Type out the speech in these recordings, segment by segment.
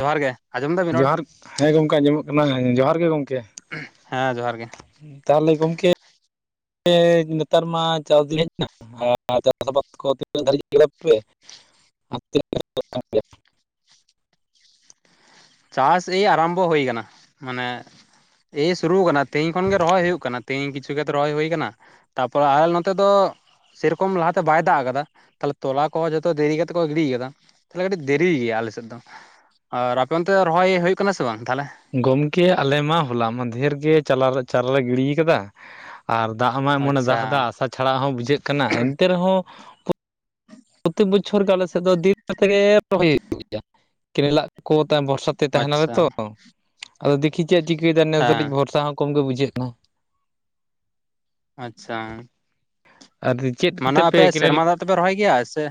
ᱡᱚᱦᱟᱨ ᱜᱮ ᱟᱸᱡᱚᱢ ᱫᱟᱵᱤᱱ ᱨᱚᱲ ᱡᱚᱦᱟᱨ ᱦᱮᱸ ᱜᱚᱢᱠᱮ ᱟᱸᱡᱚᱢᱚᱜ ᱠᱟᱱᱟ ᱡᱚᱦᱟᱨ ᱜᱮ ᱜᱚᱢᱠᱮ ᱦᱮᱸ ᱡᱚᱦᱟᱨ ᱜᱮ ᱛᱟᱦᱚᱞᱮ ᱜᱚᱝᱠᱮ ᱱᱮᱛᱟᱨ ᱢᱟ ᱪᱟᱥ ᱫᱤᱱ ᱦᱮᱡ ᱮᱱᱟ ᱟᱨ ᱪᱟᱥ ᱟᱵᱟᱫ ᱠᱚ ᱛᱤᱱᱟᱹᱜ ᱫᱷᱟᱹᱨᱤᱡ [unintelligible] ᱯᱮ ᱟᱨ ᱛᱱᱟᱹᱜ ᱪᱟᱥ ᱮᱭ ᱟᱨᱟᱢᱵᱷᱚ ᱦᱩᱭ ᱟᱠᱟᱱᱟ ᱢᱟᱱᱮ ᱮᱭ ᱥᱩᱨᱩ ᱟᱠᱟᱱᱟ ᱛᱮᱦᱤᱧ ᱠᱷᱚᱱ ᱜᱮ ᱨᱚᱦᱚᱭ ᱦᱩᱭᱩᱜ ᱠᱟᱱᱟ ᱛᱮᱦᱤᱧ ᱠᱤᱪᱷᱩ ᱠᱷᱮᱛ ᱨᱚᱦᱚᱭ ᱦᱩᱭ ᱟᱠᱟᱱᱟ ᱛᱟᱯᱚᱨᱮ ᱟᱞᱮ ᱱᱚᱛᱮ ᱫᱚ ᱥᱮᱨᱚᱠᱚᱢ ᱞᱟᱦᱟᱛᱮ ᱵᱟᱭ ᱫᱟᱜ ᱟᱠᱟᱫᱟ ᱛᱟᱦᱞᱮ ᱛᱚᱞᱟ ᱠᱚᱦᱚᱸ ᱡᱷᱚᱛᱚ ᱫᱮᱨᱤ ᱠᱟᱛᱮᱫ ᱠᱚ ᱜᱤᱰᱤ ᱟᱠᱟᱫᱟ ᱛᱟᱦᱞᱮ ᱠᱟᱹᱴᱤᱡ ᱫᱮᱨᱤᱭ ᱜᱮᱭᱟ ᱟᱞᱮ ᱥᱮᱫ ᱫᱚ ᱟᱨ ᱟᱯᱮ ᱚᱱᱛᱮ ᱫᱚ ᱨᱚᱦᱚᱭ ᱦᱳᱭᱳᱜ ᱠᱟᱱᱟ ᱥᱮ ᱵᱟᱝ ᱛᱟᱦᱞᱮ ᱜᱚᱢᱠᱮ ᱟᱞᱮ ᱢᱟ ᱦᱚᱞᱟ ᱢᱟᱫᱷᱮᱨ ᱜᱮ ᱪᱟᱞᱟᱣ ᱪᱟᱨᱟ ᱞᱮ ᱜᱤᱲᱤ ᱟᱠᱟᱫᱟ ᱟᱨ ᱫᱟᱜ ᱢᱟ ᱮᱢᱚᱱᱮ ᱟᱪᱪᱷᱟ ᱫᱟᱜ ᱮᱫᱟ ᱟᱥᱟ ᱪᱷᱟᱲᱟ ᱦᱚᱸ ᱵᱩᱡᱷᱟᱹᱜ ᱠᱟᱱᱟ ᱮᱱᱛᱮ ᱨᱮᱦᱚᱸ ᱯᱨᱚᱛᱮᱠ ᱵᱚᱪᱷᱚᱨ ᱜᱮ ᱟᱞᱮ ᱥᱮᱫ ᱫᱚ ᱫᱤᱱ ᱛᱮᱜᱮ ᱨᱚᱦᱚᱭ [inaudible] ᱦᱩᱭᱩᱜ ᱜᱮᱭᱟ ᱠᱮᱱᱮᱞᱟᱜ ᱠᱚ [inaudible] ᱛᱟᱭᱚᱢ ᱵᱷᱚᱨᱥᱟ ᱛᱮ ᱛᱟᱦᱮᱱᱟᱞᱮ ᱟᱪᱪᱷᱟ ᱛᱚ ᱟᱫᱚ ᱫᱮᱠᱷᱤ ᱪᱮᱫ ᱪᱤᱠᱟᱹᱭᱮᱫᱟ ᱱᱮᱥ ᱫᱚ ᱠᱟᱹᱴᱤᱡ ᱦᱮᱸ ᱵᱚᱨᱥᱟ ᱦᱚᱸ ᱠᱚᱢ ᱜᱮ ᱵᱩᱡᱷᱟᱹᱜ ᱠᱟᱱᱟ ᱟᱪᱪᱷᱟ ᱟᱨ [inaudible] ᱢᱟᱱᱮ ᱯᱮ ᱟᱯᱮ ᱠᱮᱱᱮᱞ ᱥᱮᱨᱢᱟ ᱫᱟᱜ ᱛᱮᱯᱮ ᱨᱚᱦᱚᱭ ᱜᱮᱭᱟ ᱥᱮ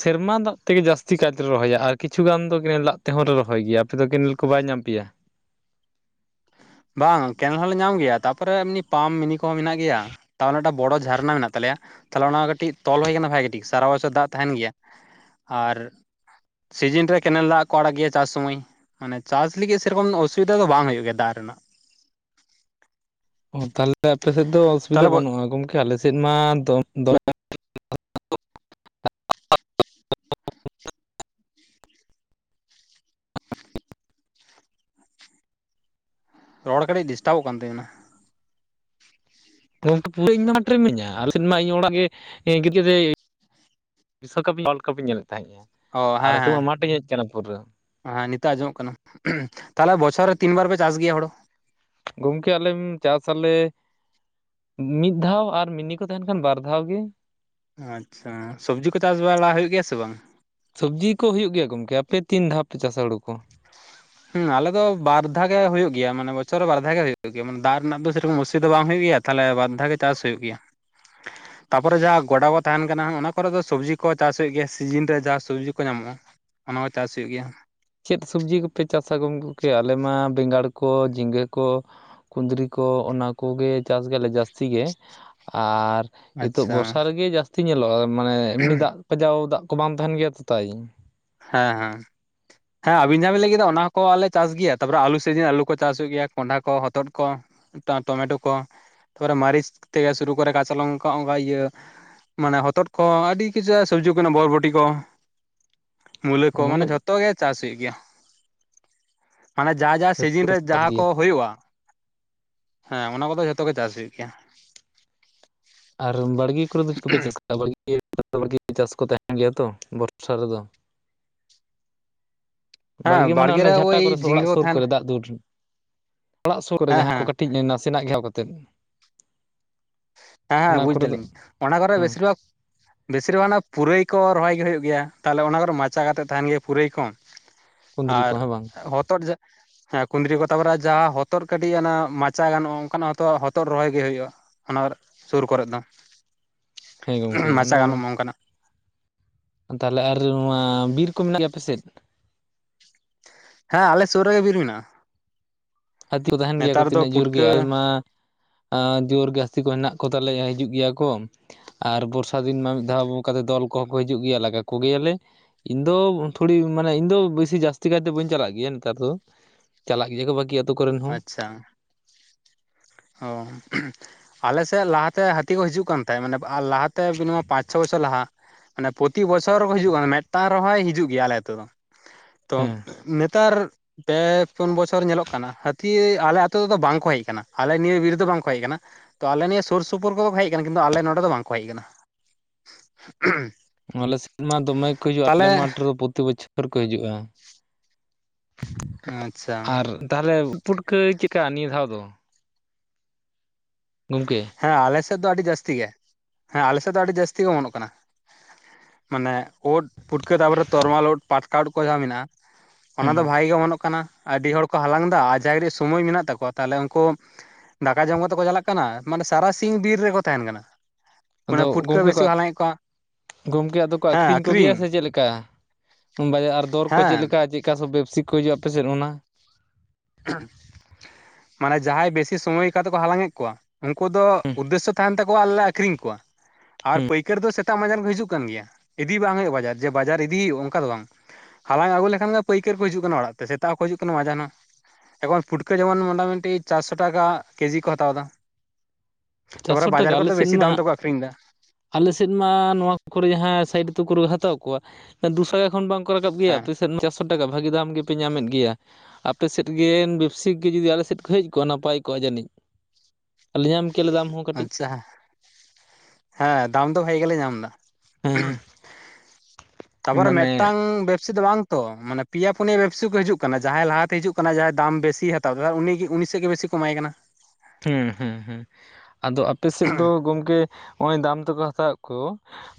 ᱥᱮᱨᱢᱟ ᱫᱟᱜ ᱛᱮᱜᱮ ᱡᱟᱹᱥᱛᱤ ᱠᱟᱭᱛᱮᱞᱮ ᱨᱚᱦᱚᱭᱟ ᱟᱨ ᱠᱤᱪᱷᱩ ᱜᱟᱱ ᱫᱚ ᱠᱮᱱᱮᱞ ᱫᱟᱜ ᱛᱮᱦᱚᱸ ᱞᱮ ᱨᱚᱦᱚᱭ ᱜᱮᱭᱟ ᱟᱯᱮ ᱫᱚ ᱠᱮᱱᱮᱞ ᱠᱚ ᱵᱟᱭ ᱧᱟᱢ ᱯᱮᱭᱟ ᱵᱟᱝ ᱠᱮᱱᱮᱞ ᱦᱚᱸᱞᱮ ᱧᱟᱢ ᱜᱮᱭᱟ ᱛᱟᱨᱯᱮ ᱮᱢᱱᱤ ᱯᱟᱢ ᱢᱤᱱᱤ ᱠᱚ ᱦᱚᱸ ᱢᱮᱱᱟᱜ ᱜᱮᱭᱟ ᱛᱟᱦᱚᱞᱮ ᱢᱤᱫᱴᱟᱜ ᱵᱚᱲᱚ ᱡᱷᱟᱨᱱᱟ ᱢᱮᱱᱟᱜ ᱛᱟᱞᱮᱭᱟ ᱛᱟᱦᱚᱞᱮ ᱚᱱᱟ ᱠᱟᱹᱴᱤᱡ ᱛᱚᱞ ᱦᱩᱭ ᱟᱠᱟᱱᱟ ᱵᱷᱟᱜᱮ ᱴᱷᱤᱠ ᱥᱟᱨᱟ ᱵᱚᱪᱷᱚᱨ ᱫᱟᱜ ᱛᱟᱦᱮᱱ ᱜᱮᱭᱟ ᱟᱨ ᱥᱤᱡᱤᱱ ᱨᱮ ᱠᱮᱱᱮᱞ ᱫᱟᱜ ᱠᱚ ᱟᱲᱟᱜ ᱜᱮᱭᱟ ᱪᱟᱥ ᱥᱚᱢᱚᱭ ᱢᱟᱱᱮ ᱪᱟᱥ ᱞᱟᱹᱜᱤᱫ ᱥᱮᱨᱚᱠᱚᱢ ᱚᱥᱩᱵᱤᱫᱷᱟ ᱫᱚ ᱵᱟᱝ ᱦᱩᱭᱩᱜ ᱜᱮᱭᱟ ᱫᱟᱜ ᱨᱮᱱᱟᱜ ᱚ ᱛᱟᱦᱚᱞᱮ ᱟᱯᱮ ᱥᱮᱫ ᱫᱚ ᱚᱥᱩᱵᱤᱫᱷᱟ ᱛᱟᱦᱚᱞᱮ ᱵᱟᱹᱱᱩᱜᱼᱟ ᱜᱚᱢᱠᱮ ᱟᱞᱮᱥᱮᱫ ᱢᱟ ᱫᱚ [inaudible] ᱫᱚᱢᱮ ᱨᱚᱲ ᱠᱟᱹᱴᱤᱡ ᱰᱤᱥᱴᱟᱵᱚᱜ ᱠᱟᱱ ᱛᱟᱵᱤᱱᱟ᱾ ᱜᱚᱢᱠᱮ ᱯᱩᱨᱟᱹ ᱤᱧ ᱢᱟ ᱢᱟᱴ ᱨᱮ ᱢᱤᱱᱟᱹᱧᱟ ᱟᱞᱮ ᱥᱮᱫ ᱢᱟ ᱤᱧ ᱚᱲᱟᱜ ᱜᱮ ᱜᱤᱛᱩᱡ ᱠᱟᱛᱮ [inaudible] ᱵᱤᱥᱚᱠᱟᱯ ᱣᱟᱞᱰ ᱠᱟᱯ ᱞᱤᱧ ᱧᱮᱞᱮᱫ ᱛᱟᱦᱮᱸᱜᱼᱟ᱾ ᱚ ᱟᱨ ᱦᱮᱸ ᱱᱤᱛᱚᱜ ᱦᱮᱸ ᱢᱟᱴᱷᱤᱧ ᱦᱮᱡ ᱟᱠᱟᱱᱟ ᱯᱩᱨᱟᱹ ᱦᱮᱸ ᱱᱤᱛᱚᱜ ᱟᱸᱡᱚᱢᱚᱜ ᱠᱟᱱᱟ ᱛᱟᱦᱚᱞᱮ ᱵᱚᱪᱷᱚᱨ ᱨᱮ ᱛᱤᱱ ᱵᱟᱨ ᱯᱮ ᱪᱟᱥ ᱜᱮᱭᱟ ᱦᱳᱲᱳ ᱜᱚᱢᱠᱮ ᱟᱞᱮᱢ ᱪᱟᱥ ᱟᱞᱮ ᱢᱤᱫ ᱫᱷᱟᱣ ᱟᱨ ᱢᱤᱱᱤ ᱠᱚ ᱛᱟᱦᱮᱱ ᱠᱷᱟᱱ ᱵᱟᱨ ᱫᱷᱟᱣ ᱜᱮ ᱟᱪᱪᱷᱟ ᱥᱚᱵᱽᱡᱤ ᱠᱚ ᱪᱟᱥ ᱵᱟᱲᱟ ᱦᱳᱭᱳᱜ ᱜᱮᱭᱟ ᱥᱮ ᱵᱟᱝ?. ᱥᱚᱵᱽᱡᱤ ᱠᱚ ᱦᱩᱭᱩᱜ ᱜᱮᱭᱟ ᱜᱚᱢᱠᱮ ᱟᱯᱮ ᱛᱤᱱ ᱫᱷᱟᱣᱯᱮ ᱪᱟᱥᱟ ᱦᱳᱲᱳ ᱠᱚ ᱦᱮᱸ ᱟᱞᱮ ᱫᱚ ᱵᱟᱨᱫᱷᱟᱣ ᱜᱮ ᱦᱳᱭᱳᱜ ᱜᱮᱭᱟ ᱢᱟᱱᱮ ᱵᱚᱪᱷᱚᱨ ᱨᱮ ᱵᱟᱨᱫᱷᱟᱣ ᱜᱮ ᱦᱳᱭᱳᱜ ᱜᱮᱭᱟ ᱢᱟᱱᱮ ᱫᱟᱜ ᱨᱮᱱᱟᱜ ᱫᱚ ᱥᱮᱨᱚᱠᱚᱢ ᱚᱥᱩᱵᱤᱫᱟ ᱵᱟᱝ ᱦᱩᱭᱩᱜ ᱜᱮᱭᱟ ᱛᱟᱦᱞᱮ ᱵᱟᱨᱫᱷᱟᱣ ᱜᱮ ᱪᱟᱥ ᱛᱟᱯᱚᱨᱮ ᱡᱟᱦᱟᱸ ᱜᱚᱰᱟ ᱠᱚ ᱛᱟᱦᱮᱱ ᱠᱟᱱᱟ ᱚᱱᱟ ᱠᱚᱨᱮ ᱫᱚ ᱥᱚᱵᱽᱡᱤ ᱠᱚ ᱪᱟᱥ ᱦᱩᱭᱩᱜ ᱜᱮᱭᱟ ᱥᱤᱡᱤᱱ ᱨᱮ ᱡᱟᱦᱟᱸ ᱥᱚᱵᱽᱡᱤ ᱠᱚ ᱧᱟᱢᱚᱜᱼᱟ ᱚᱱᱟ ᱦᱚᱸ ᱪᱟᱥ ᱦᱩᱭᱩᱜ ᱜᱮᱭᱟ ᱪᱮᱫ ᱥᱚᱵᱽᱡᱤ ᱠᱚᱯᱮ ᱪᱟᱥᱟ ᱜᱚᱢᱜᱮ ᱟᱞᱮ ᱢᱟ ᱵᱮᱸᱜᱟᱲ ᱠᱚ ᱡᱷᱤᱸᱜᱟᱹ ᱠᱚ ᱠᱩᱫᱽᱨᱤ ᱠᱚ ᱚᱱᱟ ᱠᱚᱜᱮ ᱪᱟᱥ ᱜᱮᱭᱟᱞᱮ ᱡᱟᱹᱥᱛᱤ ᱜᱮ ᱟᱨ ᱱᱤᱛᱳᱜ ᱟᱪᱪᱷᱟ ᱵᱚᱨᱥᱟ ᱨᱮᱜᱮ ᱡᱟᱹᱥᱛᱤ ᱧᱮᱞᱚᱜᱼᱟ ᱢᱟᱱᱮ ᱮᱢᱱᱤ ᱫᱟᱜ ᱯᱟᱸᱡᱟᱣ ᱫᱟᱜ ᱠᱚ ᱵᱟᱝ ᱛᱟᱦᱮᱱ ᱜᱮᱭᱟ ᱛᱚ ᱛᱟᱭ ᱦᱮᱸ ᱦᱮᱸ ᱦᱮᱸ ᱟᱵᱤᱱ ᱡᱟᱦᱟᱸ ᱵᱤᱱ ᱞᱟᱹᱭ ᱠᱮᱫᱟ ᱚᱱᱟ ᱠᱚ ᱟᱞᱮ ᱪᱟᱥ ᱜᱮᱭᱟ ᱛᱟᱨᱯᱚᱨᱮ ᱟᱹᱞᱩ ᱥᱤᱡᱤᱱ ᱟᱞᱩ ᱠᱚ ᱪᱟᱥ ᱦᱩᱭᱩᱜ ᱜᱮᱭᱟ ᱠᱚᱸᱰᱷᱟ ᱠᱚ ᱦᱚᱛᱚᱫ ᱠᱚ ᱴᱚᱢᱮᱴᱳ ᱠᱚ ᱛᱟᱨ ᱯᱚᱨᱮ ᱢᱟᱹᱨᱤᱪ ᱛᱮᱜᱮ ᱥᱩᱨᱩ ᱠᱚᱨᱮ ᱠᱟᱪᱟ ᱞᱚᱝᱠᱟ ᱚᱱᱠᱟ ᱤᱭᱟᱹ ᱢᱟᱱᱮ ᱦᱚᱛᱚᱫ ᱠᱚ ᱟᱹᱰᱤ ᱠᱤᱡᱟ [inaudible] ᱥᱚᱵᱽᱡᱤ ᱠᱟᱱᱟ ᱵᱚᱨᱵᱚᱴᱤ ᱠᱚ᱾ ᱢᱩᱞᱟᱹ ᱠᱚ ᱢᱟᱱᱮ ᱡᱷᱚᱛᱚ ᱜᱮ ᱪᱟᱥ ᱦᱩᱭᱩᱜ ᱜᱮᱭᱟ᱾ ᱢᱟᱱᱮ ᱡᱟ ᱡᱟ ᱡᱚᱛᱚ ᱥᱤᱡᱤᱱ ᱞᱮ ᱨᱮ ᱪᱟᱥ ᱡᱟᱦᱟᱸ ᱠᱚ ᱜᱮᱭᱟ ᱦᱳᱭᱳᱜᱼᱟ᱾ ᱦᱮᱸ ᱚᱱᱟ ᱠᱚ ᱫᱚ ᱡᱷᱚᱛᱚ ᱜᱮ ᱪᱟᱥ ᱦᱩᱭᱩᱜ ᱜᱮᱭᱟ᱾ ᱟᱨ ᱵᱟᱲᱜᱮ ᱠᱚᱨᱮ ᱫᱚ ᱪᱮᱫ ᱠᱚᱯᱮ ᱪᱟᱥᱼᱟ ᱵᱟᱲᱜᱤ [inaudible] ᱪᱟᱥ ᱠᱚ ᱛᱟᱦᱮᱱ ᱜᱮᱭᱟ ᱛᱚ ᱵᱚᱨᱥᱟ ᱨᱮᱫᱚ ᱵᱟᱲᱜᱮ ᱦᱮᱸ ᱢᱟᱱᱮ ᱚᱱᱮ ᱨᱮ ᱡᱷᱟᱴᱟ ᱳᱭ ᱠᱚᱨᱮ ᱥᱮ ᱡᱷᱤᱸᱜᱟᱹ ᱚᱲᱟᱜ ᱠᱚ ᱥᱩᱨ ᱛᱟᱦᱮᱱ ᱠᱚᱨᱮ ᱫᱟᱜ ᱫᱟᱹᱨ [unintelligible] ᱚᱲᱟᱜ ᱥᱩᱨ ᱠᱚᱨᱮ ᱦᱮᱸ ᱡᱟᱦᱟᱸᱭ ᱠᱚ ᱦᱮᱸ ᱠᱟᱹᱴᱤᱡ ᱱᱟᱥᱮᱱᱟᱜ ᱜᱮᱣ [unintelligible] ᱠᱟᱛᱮᱫ, ᱦᱮᱸ ᱦᱮᱸ ᱚᱱᱟ ᱵᱩᱡ ᱠᱚᱨᱮ ᱫᱚ ᱫᱟᱞᱤᱧ ᱚᱱᱟ ᱠᱚᱨᱮ ᱦᱮᱸ ᱵᱮᱥᱤᱨ ᱵᱷᱟᱜᱽᱼᱼ ᱵᱮᱥᱤᱨ ᱵᱷᱟᱜᱽ ᱯᱩᱨᱟᱹᱭ ᱠᱚ ᱨᱚᱦᱚᱭ ᱜᱮ ᱦᱩᱭᱩᱜ ᱜᱮᱭᱟ ᱛᱟᱦᱚᱞᱮ ᱚᱱᱟ ᱠᱚᱨᱮ ᱢᱟᱪᱟ ᱠᱟᱛᱮ ᱛᱟᱦᱮᱱ ᱜᱮᱭᱟ ᱯᱩᱨᱟᱹᱭ ᱠᱚ ᱠᱩᱸᱫᱽᱨᱤ ᱠᱚ ᱟᱨ ᱦᱮᱸ ᱵᱟᱝ ᱦᱚᱛᱚᱫ ᱡᱮ ᱦᱮᱸ ᱠᱩᱸᱫᱽᱨᱤ ᱠᱚ ᱛᱟᱯᱚᱨᱮ ᱡᱟᱦᱟᱸ ᱦᱚᱛᱚᱫ ᱠᱟᱹᱴᱤᱡ ᱚᱱᱟ ᱢᱟᱪᱟ ᱜᱟᱱᱚᱜᱼᱟ ᱚᱱᱠᱟᱱᱟᱜ ᱦᱚᱛᱚ ᱦᱚᱛᱚᱫ ᱨᱚᱦᱚᱭ ᱜᱮ ᱦᱩᱭᱩᱜᱼᱟ ᱟᱨ ᱥᱩᱨ ᱠᱚᱨᱮᱫ ᱫᱚ ᱦᱮᱸ ᱜᱚᱢᱠᱮ ᱚᱱᱟ ᱢᱟᱪᱟ ᱜᱟᱱᱚᱜ ᱢᱟ ᱚᱱᱠᱟᱱᱟᱜ ᱛᱟᱦᱚᱞᱮ ᱟᱨ ᱱᱚᱣᱟ ᱵᱤᱨ ᱠᱚ ᱢᱮᱱᱟᱜ ᱜᱮᱭᱟ ᱟᱯᱮᱥᱮᱫ?. ᱦᱮᱸ ᱟᱞᱮ ᱥᱩᱨ ᱨᱮᱜᱮ ᱵᱤᱨ ᱢᱮᱱᱟᱜᱼᱟ᱾ ᱦᱟᱹᱛᱤ ᱠᱚ ᱛᱟᱦᱮᱱ ᱜᱮᱭᱟ ᱠᱚ ᱱᱮᱛᱟᱨ ᱫᱚ ᱛᱤᱱᱟᱹᱜ ᱡᱳᱨ ᱜᱮ ᱯᱩᱴᱠᱟᱹ ᱟᱭᱢᱟᱻ ᱟ ᱡᱳᱨ ᱡᱟᱹᱥᱛᱤ ᱠᱚ ᱦᱮᱱᱟᱜ ᱠᱚᱛᱟᱞᱮᱭᱟ ᱦᱤᱡᱩᱜ ᱜᱮᱭᱟ ᱠᱚ ᱟᱨ ᱵᱚᱨᱥᱟ ᱫᱤᱱ ᱢᱟ ᱢᱤᱫ ᱫᱷᱟᱣ ᱚᱱᱠᱟᱛᱮ ᱫᱚᱞ ᱠᱚᱦᱚᱸ ᱠᱚ ᱦᱤᱡᱩᱜ ᱜᱮᱭᱟ ᱞᱟᱜ ᱠᱚ ᱜᱮᱭᱟᱞᱮ᱾ ᱤᱧ ᱫᱚ ᱛᱷᱚᱲᱤ ᱢᱟᱱᱮ ᱤᱧ ᱫᱚ ᱵᱮᱥᱤ ᱡᱟᱹᱥᱛᱤ ᱠᱟᱭᱛᱮ ᱵᱟᱹᱧ ᱪᱟᱞᱟᱜ ᱜᱮᱭᱟ ᱱᱮᱛᱟᱨ ᱫᱚ᱾ ᱪᱟᱞᱟᱜ ᱜᱮᱭᱟ ᱠᱚ [inaudible] ᱟᱪᱪᱷᱟ ᱾ ᱚ ᱟᱞᱮᱥᱮᱫ ᱞᱟᱦᱟᱛᱮ ᱦᱟᱹᱛᱤ ᱠᱚ ᱦᱤᱡᱩᱜ ᱠᱟᱱ ᱛᱟᱭ ᱢᱟᱱᱮ ᱟᱨ ᱞᱟᱦᱟᱛᱮ ᱵᱤᱢᱟ [inaudible] ᱯᱟᱸᱪ ᱪᱷᱚ ᱵᱚᱪᱷᱚᱨ ᱞᱟᱦᱟ ᱾ ᱢᱟᱱᱮ ᱯᱨᱚᱛᱤ ᱵᱚᱪᱷᱚᱨ ᱨᱮ ᱠᱚ ᱦᱤᱡᱩᱜ ᱠᱟᱱᱟ ᱢᱤᱫᱴᱟᱝ ᱨᱮᱦᱚᱸᱚᱭ ᱦᱤᱡᱩᱜ ᱜᱮᱭᱟ ᱟᱞᱮ ᱟᱹᱛᱩ ᱫᱚ ᱾ ᱛᱚ ᱦᱮᱸ ᱱᱮᱛᱟᱨ ᱯᱮ ᱯᱩᱱ ᱵᱚᱪᱷᱚᱨ ᱧᱮᱞᱚᱜ ᱠᱟᱱᱟ ᱦᱟᱹᱛᱤ ᱟᱞᱮ ᱟ ᱟᱹᱛᱩᱳ ᱨᱮᱫᱚ ᱵᱟᱝᱠᱚ ᱦᱮᱡ ᱟᱠᱟᱱᱟ ᱾ ᱟᱞᱮ ᱱᱤᱭᱟᱹ ᱵᱤᱨ ᱫᱚ ᱵᱟᱝᱠᱚ ᱦᱮᱡ ᱟᱠᱟᱱᱟ ᱛᱚ ᱟᱞᱮ ᱱᱤᱭᱟᱹ ᱥᱩᱨ ᱥᱩᱯᱩᱨ ᱠᱚᱫᱚ ᱠᱚ ᱦᱮᱡ ᱟᱠᱟᱱᱟ ᱠᱤᱱᱛᱩ ᱟᱞᱮ ᱱᱚᱸᱰᱮ ᱫᱚ ᱵᱟᱝᱠᱚ ᱦᱮᱡ ᱟᱠᱟᱱᱟ᱾ [unintelligible] ᱟᱞᱮ ᱥᱮᱫᱢᱟ ᱫᱚᱢᱮ ᱠᱚ ᱦᱤᱡᱩᱜᱼᱟ ᱛᱟᱦᱚᱞᱮ ᱟᱞᱮ ᱢᱟᱴᱷ ᱨᱮᱫᱚ ᱯᱨᱚᱛᱤ ᱵᱚᱪᱷᱚᱨ ᱠᱚ ᱦᱤᱡᱩᱜᱼᱟ। ᱟᱪᱪᱷᱟ ᱟᱨ ᱛᱟᱦᱚᱞᱮ ᱯᱩᱴᱠᱟᱹᱭ ᱪᱠᱼᱟ ᱱᱤᱭᱟᱹ ᱫᱷᱟᱣ ᱫᱚ᱾ ᱜᱚᱢᱠᱮ, ᱦᱮᱸ ᱟᱞᱮᱥᱮᱫ ᱫᱚ ᱟᱹᱰᱤ ᱡᱟᱹᱥᱛᱤ ᱜᱮ ᱦᱮᱸ ᱟᱞᱮᱥᱮᱫ ᱫᱚ ᱟᱹᱰᱤ ᱡᱟᱹᱥᱛᱤ ᱜᱮ ᱚᱢᱚᱱᱚᱜ ᱠᱟᱱᱟ। ᱢᱟᱱᱮ ᱩᱫ ᱯᱩᱴᱠᱟᱹ ᱛᱟᱯᱚᱨᱮ ᱛᱚᱨᱭᱟᱞ ᱩᱫ ᱯᱟᱴᱠᱟ ᱩᱫ ᱠᱚ ᱡᱟᱦᱟᱸ ᱢᱮᱱᱟᱜ-ᱟ ᱚᱱᱟ ᱫᱚ ᱦᱮᱸ ᱵᱷᱟᱜᱤ ᱜᱮ ᱚᱢᱚᱱᱚᱜ ᱼᱼ ᱟᱹᱰᱤ ᱦᱚᱲ ᱠᱚ ᱦᱟᱞᱟᱝ ᱮᱫᱟ [inaudible] ᱥᱚᱢᱚᱭ ᱢᱮᱱᱟᱜ ᱛᱟᱠᱚᱣᱟ ᱛᱟᱦᱚᱞᱮ ᱩᱱᱠᱩ ᱫᱟᱠᱟ ᱡᱚᱢ ᱠᱟᱛᱮ ᱠᱚ ᱪᱟᱞᱟᱜ ᱠᱟᱱᱟ ᱢᱟᱱᱮ ᱥᱟᱨᱟᱥᱤᱝ ᱵᱤᱨ ᱨᱮᱠᱚ ᱛᱟᱦᱮᱱ ᱠᱟᱱᱟ᱾ ᱢᱟᱱᱮ ᱯᱩᱴᱠᱟᱹ ᱵᱮᱥᱤ ᱠᱚ ᱦᱟᱞᱟᱝᱮᱫ ᱠᱚᱣᱟ ᱾ ᱜᱚᱝᱠᱮ ᱟᱫᱚ ᱠᱚ ᱟᱠᱷᱨᱤᱧ ᱠᱚᱜᱮᱭᱟ ᱥᱮ ᱪᱮᱫᱞᱮᱠᱟ ᱵᱟᱡ [unintelligible] ᱟᱨ ᱫᱚᱨ ᱠᱚ ᱪᱮᱫᱞᱮ ᱦᱮᱸ ᱞᱮᱠᱟ ᱪᱮᱫ? ᱚᱠᱟᱥᱮᱫ ᱵᱮᱯᱥᱤᱠ ᱠᱚ ᱦᱤᱡᱩᱜ-ᱟ ᱟᱯᱮᱥᱮᱫ ᱚᱱᱟ [unintelligible] ᱢᱟᱱᱮ ᱡᱟᱦᱟᱸᱭ ᱵᱮᱥᱤ ᱥᱚᱢᱚᱭ ᱠᱟᱛᱮ ᱠᱚ ᱦᱟᱞᱟᱝᱮᱫ ᱠᱚᱣᱟ᱾ ᱩᱱᱠᱩ ᱫᱚ ᱩᱫᱽᱫᱮᱥᱥᱚ ᱛᱟᱦᱮᱱ ᱛᱟᱠᱚᱣᱟ ᱟᱞᱮ ᱞᱮ ᱟᱠᱷᱨᱤᱧ ᱠᱚᱣᱟ ᱟᱨ ᱯᱟᱹᱭᱠᱟᱹᱨᱤ ᱫᱚ ᱥᱮᱛᱟᱜ ᱵᱟᱡᱟᱨ ᱠᱚ ᱦᱤᱡᱩᱜ ᱠᱟᱱ ᱜᱮᱭᱟ ᱤᱫᱤ ᱵᱟᱝ ᱦᱩᱭᱩᱜᱼᱟ ᱵᱟᱡᱟᱨ ᱡᱮ ᱵᱟᱡᱟᱨ ᱤᱫᱤ ᱦᱩᱭᱩᱜᱼᱟ ᱚᱱᱠᱟ ᱫᱚ ᱵᱟᱝ᱾ ᱦᱟᱞᱟᱝ ᱟᱹᱜᱩ ᱞᱮᱠᱷᱟᱱ ᱯᱟᱹᱭᱠᱟᱹᱨ ᱠᱚ ᱦᱤᱡᱩᱜ ᱠᱟᱱᱟ ᱚᱲᱟᱜ ᱛᱮ ᱥᱮᱛᱟᱜ ᱠᱚ ᱦᱤᱡᱩᱜ ᱠᱟᱱᱟ ᱢᱟᱡᱟᱱ ᱦᱚᱸ᱾ ᱮᱠᱷᱚᱱ ᱯᱷᱩᱴᱠᱟᱹ ᱡᱮᱢᱚᱱ ᱢᱚᱴᱟᱢᱩᱴᱤ ᱪᱟᱨᱥᱚ ᱴᱟᱠᱟ ᱠᱮᱡᱤ ᱠᱚ ᱦᱟᱛᱟᱣ ᱮᱫᱟ᱾ ᱛᱟᱯᱚᱨᱮ ᱪᱟᱨᱥᱚ ᱵᱟᱡᱟᱨ ᱠᱚᱨᱮ ᱫᱚ ᱵᱮᱥᱤ ᱫᱟᱢ ᱛᱮᱠᱚ ᱟᱠᱷᱨᱤᱧ ᱮᱫᱟ᱾ ᱟᱞᱮ ᱥᱮᱫ ᱢᱟ ᱱᱚᱣᱟ ᱠᱚᱨᱮ ᱡᱟᱦᱟᱸ ᱥᱟᱭᱤᱰ ᱟᱛᱩ ᱠᱚᱨᱮ ᱠᱚ ᱦᱟᱛᱟᱣ ᱠᱚᱣᱟ ᱫᱩᱥᱠᱟ ᱠᱷᱚᱱ ᱵᱟᱝ ᱠᱚ ᱨᱟᱠᱟᱵ ᱜᱮᱭᱟ ᱦᱮᱸ ᱟᱯᱮ ᱥᱮᱫ ᱪᱟᱨᱥᱚ ᱴᱟᱠᱟ ᱵᱷᱟᱜᱤ ᱫᱟᱢ ᱜᱮᱯᱮ ᱧᱟᱢᱮᱫ ᱜᱮᱭᱟ᱾ ᱟᱯᱮ ᱥᱮᱫ ᱜᱮ ᱵᱮᱯᱥᱤᱠ ᱜᱮ ᱡᱩᱫᱤ ᱟᱞᱮ ᱥᱮᱫ ᱠᱚ ᱦᱮᱡ ᱠᱚᱜ-ᱟ ᱱᱟᱯᱟᱭ ᱠᱚᱜ-ᱟ ᱡᱟᱹᱱᱤᱡ ᱟᱞᱤᱧ ᱧᱟᱢ ᱠᱮᱭᱟᱞᱮ ᱫᱟᱢ ᱦᱚᱸ ᱠᱟᱹᱴᱤᱡ ᱟᱪᱪᱷᱟ ᱦᱮᱸ ᱫᱟᱢ ᱫᱚ ᱵᱷᱟᱜ ᱜᱮᱞᱮ ᱧᱟᱢ ᱮᱫᱟ ᱾ ᱦᱮᱸ ᱛᱟᱯᱚᱨᱮ ᱢᱟᱱᱮ ᱢᱤᱫᱴᱟᱝ ᱵᱮᱯᱥᱤ ᱫᱚ ᱵᱟᱝ ᱛᱚ ᱢᱟᱱᱮ ᱯᱮᱭᱟ ᱯᱩᱱᱭᱟ ᱵᱮᱵᱥᱤ ᱠᱚ ᱦᱤᱡᱩᱜ ᱠᱟᱱᱟ ᱡᱟᱦᱟᱸᱭ ᱞᱟᱦᱟᱛᱮ ᱦᱤᱡᱩᱜ ᱠᱟᱱᱟ ᱡᱟᱦᱟᱸᱭ ᱫᱟᱢ ᱵᱮᱥᱤᱭ ᱦᱟᱛᱟᱣ ᱩᱱᱤ ᱩᱱᱤ ᱥᱮᱫ ᱜᱮ ᱵᱮᱥᱤ ᱠᱚᱢᱟᱭ ᱠᱟᱱᱟ। ᱦᱩᱸ ᱦᱮᱸ ᱦᱮᱸ ᱟᱫᱚ ᱟᱯᱮ ᱥᱮᱫ ᱫᱚ ᱜᱚᱢᱠᱮ ᱱᱚᱜ-ᱚᱭ ᱫᱟᱢ ᱛᱮᱠᱚ ᱦᱟᱛᱟᱣᱮᱫ ᱠᱚ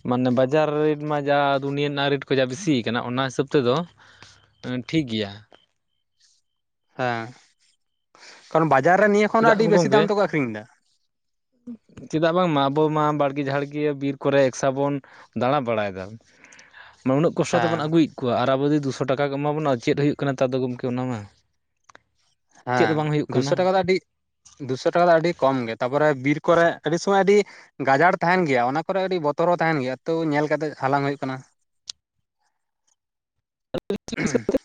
ᱢᱟᱱᱮ ᱵᱟᱡᱟᱨ ᱨᱮᱴ ᱢᱟ ᱡᱟ ᱫᱩᱱᱤᱭᱟᱹ ᱨᱮᱱᱟᱜ ᱨᱮᱴ ᱠᱚ ᱡᱟ ᱵᱮᱥᱤ ᱠᱟᱱᱟ ᱚᱱᱟ ᱦᱤᱥᱟᱹᱵ ᱛᱮᱫᱚ [inaudible] ᱴᱷᱤᱠ ᱜᱮᱭᱟ। ᱦᱮᱸ ᱠᱟᱨᱚᱱ ᱵᱟᱡᱟᱨ ᱨᱮ ᱱᱤᱭᱟᱹ ᱠᱷᱚᱱ ᱦᱚᱸ ᱪᱮᱫᱟᱜ ᱟᱹᱰᱤ ᱵᱮᱥᱤ ᱜᱚᱝᱠᱮ, ᱫᱟᱢ ᱛᱮᱠᱚ ᱟᱠᱷᱨᱤᱧ ᱮᱫᱟ ᱪᱮᱫᱟᱜ ᱵᱟᱝᱢᱟ ᱟᱵᱚ ᱢᱟ ᱵᱟᱲᱜᱮ ᱡᱷᱟᱲᱜᱮ ᱵᱤᱨ ᱠᱚᱨᱮ ᱮᱠᱥᱟ ᱵᱚᱱ ᱫᱟᱬᱟ ᱵᱟᱲᱟᱭᱮᱫᱟ, [inaudible] ᱢᱟᱱᱮ ᱩᱱᱟᱹᱜ ᱠᱚᱥᱴᱚ ᱛᱮᱵᱚ ᱦᱮᱸ ᱟᱹᱜᱩᱭᱮᱫ ᱠᱚᱣᱟ ᱟᱨ ᱟᱵᱚ [unintelligible] ᱫᱩᱥᱚ ᱴᱟᱠᱟ ᱠᱚ ᱮᱢᱟ ᱵᱚᱱᱟ ᱪᱮᱫ ᱦᱩᱭᱩᱜ ᱠᱟᱱᱟ ᱛᱟᱫᱚ ᱜᱚᱢᱠᱮ ᱚᱱᱟ ᱢᱟ। ᱪᱮᱫ ᱦᱮᱸ ᱦᱚᱸ ᱵᱟᱝ ᱦᱩᱭᱩᱜ ᱫᱩᱥᱚ ᱠᱟᱱᱟ ᱴᱟᱠᱟ ᱫᱚ ᱟᱹᱰᱤ ᱫᱩᱥᱚ ᱴᱟᱠᱟ ᱫᱚ ᱟᱹᱰᱤ, ᱠᱚᱢ ᱜᱮ ᱛᱟᱨᱯᱚᱨᱮ ᱵᱤᱨ ᱠᱚᱨᱮ ᱟᱹᱰᱤ ᱥᱚᱢᱚᱭ ᱟᱹᱰᱤ ᱜᱟᱡᱟᱲ ᱛᱟᱦᱮᱱ ᱜᱮᱭᱟ ᱚᱱᱟ ᱠᱚᱨᱮ ᱟᱹᱰᱤ ᱵᱚᱛᱚᱨ ᱦᱚᱸ ᱛᱟᱦᱮᱱ ᱜᱮᱭᱟ ᱛᱚ ᱧᱮᱞ ᱠᱟᱛᱮᱫ ᱦᱟᱞᱟᱝ ᱦᱩᱭᱩᱜ ᱠᱟᱱᱟ। [inaudible] [inaudible]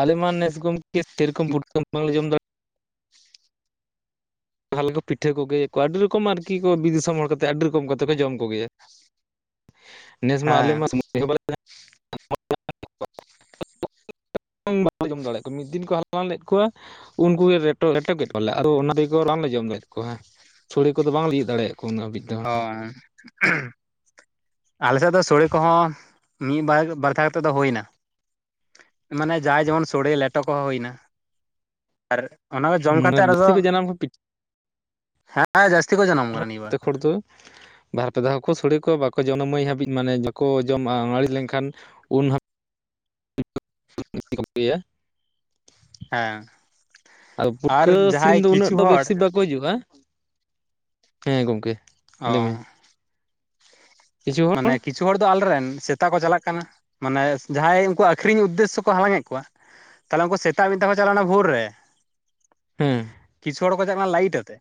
ᱟᱞᱮᱢᱟ ᱱᱮᱥ ᱜᱚᱢᱠᱮ ᱥᱮᱨᱚᱠᱚᱢ ᱯᱩᱴᱠᱟᱹᱢ ᱵᱟᱝᱞᱮ ᱡᱚᱢ ᱫᱟᱲᱮ ᱟᱞᱮ ᱫᱚ ᱯᱤᱴᱷᱟᱹ ᱠᱚᱜᱮ ᱟᱹᱰᱤ ᱨᱚᱠᱚᱢ ᱟᱨ ᱠᱤᱠᱚ ᱵᱤᱨ ᱫᱤᱥᱚᱢ ᱦᱚᱲ ᱠᱟᱛᱮᱫᱽ ᱟᱹᱰᱤ ᱨᱚᱠᱚᱢ ᱠᱟᱛᱮᱫᱽ ᱠᱚ ᱡᱚᱢ ᱠᱚᱜᱮᱭᱟ ᱱᱮᱥ ᱢᱟ ᱦᱮᱸ ᱟᱞᱮᱢᱟ ᱥᱚᱢᱚᱭ ᱦᱚᱸ [inaudible] ᱵᱟᱝᱞᱮ ᱡᱚᱢ ᱫᱟᱲᱮᱭᱟᱜ ᱠᱚᱣᱟ ᱢᱤᱫ ᱫᱤᱱ ᱠᱚ ᱦᱟᱞᱟᱝ ᱞᱮᱫ ᱠᱚᱣᱟ ᱩᱱᱠᱩ ᱜᱮ ᱨᱮᱴᱚ ᱞᱮᱴᱚ ᱠᱮᱫ ᱠᱚᱣᱟ ᱞᱮ ᱟᱫᱚ ᱚᱱᱟ ᱫᱤᱠ ᱨᱟᱱ ᱞᱮ ᱡᱚᱢ ᱮᱫ ᱠᱚᱣᱟ ᱥᱚᱲᱮ ᱠᱚᱫᱚ ᱵᱟᱝ ᱞᱮ ᱤᱭᱮᱫ ᱫᱟᱲᱮᱭᱟ ᱠᱚᱣᱟ ᱩᱱᱟᱹᱜ ᱦᱟᱹᱵᱤᱡ ᱫᱚ [inaudible] ᱟᱞᱮᱥᱮᱫ ᱫᱚ ᱥᱚᱲᱮ ᱠᱚᱦᱚᱸ ᱢᱤᱫ ᱵᱟᱨ ᱵᱟᱨᱫᱷᱟ ᱠᱟᱛᱮᱫ ᱫᱚ ᱦᱩᱭ ᱮᱱᱟ ᱢᱟᱱᱮ ᱡᱟᱦᱟᱸᱟᱭ ᱡᱮᱢᱚᱱ ᱥᱚᱲᱮ ᱞᱮᱴᱚ ᱠᱚᱦᱚᱸ ᱦᱩᱭᱱᱟ ᱟᱨ ᱚᱱᱟ ᱠᱚ ᱡᱚᱢ ᱠᱟᱛᱮᱫ ᱟᱫᱚ ᱡᱟᱹᱥᱛᱤ ᱠᱚ ᱡᱟᱱᱟᱢ ᱠᱚ ᱦᱮᱸ ᱡᱟᱹᱥᱛᱤ ᱠᱚ ᱡᱟᱱᱟᱢ ᱠᱟᱱᱟ ᱱᱤᱭᱟᱹ ᱵᱟᱨ ᱦᱚᱲ ᱫᱚ ᱵᱟᱨ ᱯᱮ ᱫᱷᱟᱣ ᱥᱚᱲᱮ ᱠᱚ ᱵᱟᱠᱚ ᱡᱚᱱ ᱢᱟᱹᱭ ᱦᱟᱹᱵᱤᱡ ᱢᱟᱱᱮ ᱵᱟᱠᱚ ᱡᱚᱢ-ᱟ ᱱᱟᱹᱲᱤ ᱞᱮᱱᱠᱷᱟᱱ ᱩᱱ [inaudible] ᱯᱮᱭᱟ ᱦᱮᱸ ᱟᱨ ᱯᱩᱠᱟᱹ ᱥᱤᱱ ᱡᱟᱦᱟᱸᱭ ᱫᱚ ᱩᱱᱟᱹᱜ ᱠᱤᱪᱷᱩ ᱫᱚ ᱦᱚᱲ ᱵᱮᱥᱤ ᱵᱟᱝ ᱠᱚ ᱦᱤᱡᱩᱜ-ᱟ ᱦᱮᱸ ᱜᱚᱝᱠᱮ ᱚᱸ ᱠᱤᱪᱷᱩ ᱦᱚᱲ ᱢᱟᱱᱮ ᱠᱤᱪᱷ ᱠᱤᱪᱷᱩ ᱦᱚᱲ ᱫᱚ ᱟᱞᱮ ᱨᱮᱱ ᱥᱮᱛᱟᱜ ᱠᱚ ᱪᱟᱞᱟᱜ ᱠᱟᱱᱟ ᱢᱟᱱᱮ ᱡᱟᱦᱟᱸᱭ ᱩᱱᱠᱩ ᱟᱠᱷᱨᱤᱧ ᱩᱫᱽᱫᱮᱥ ᱥᱚ ᱠᱚ ᱦᱟᱞᱟᱝ ᱮᱫ ᱠᱚᱣᱟ ᱛᱟᱦᱚᱞᱮ ᱩᱱᱠᱩ ᱥᱮᱛᱟᱜ ᱢᱤᱫ ᱰᱷᱟᱣ ᱠᱚ ᱪᱟᱞᱟᱣᱱᱟ ᱵᱷᱩᱨ ᱨᱮ ᱦᱮᱸ ᱠᱤᱪᱷᱩ ᱦᱚᱲ ᱠᱚ ᱪᱟᱞᱟᱜ ᱠᱟᱱᱟ ᱞᱟᱭᱤᱴ ᱟᱛᱮ